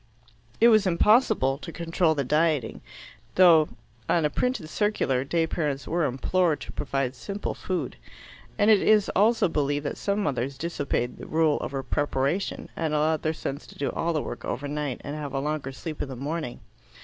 It was impossible to control the dieting, though, on a printed circular, day parents were implored to provide simple food. And it is also believed that some mothers disobeyed the rule about preparation, and allowed their sons to do all the work over night and have a longer sleep in the morning.